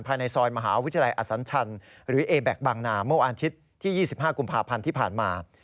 ภายในซอยมหาวิทยาลัยอสัญชันหรือเอแบ็คบางนาเมื่อวันอาทิตย์ที่๒๕กุมภาพันธ์ที่ผ่านมา